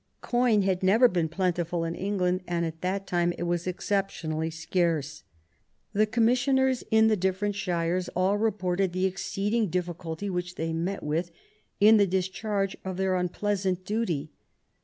Coin had never been plentiful in England, and at that time it was exceptionally scarce. The commissioners in the different shires all reported the exceeding difficulty which they met with in the discharge of their unpleasant duty.